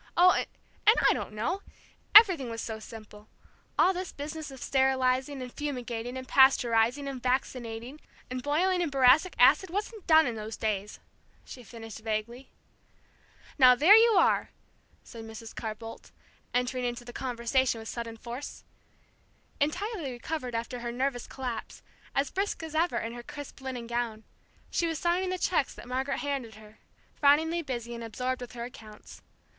"Oh and I don't know! Everything was so simple. All this business of sterilizing, and fumigating, and pasteurizing, and vaccinating, and boiling in boracic acid wasn't done in those days," she finished vaguely. "Now there you are now there you are!" said Mrs. Carr Boldt, entering into the conversation with sudden force. Entirely recovered after her nervous collapse, as brisk as ever in her crisp linen gown, she was signing the cheques that Margaret handed her, frowningly busy and absorbed with her accounts.